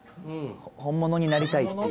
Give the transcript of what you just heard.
本物になりたいっていう。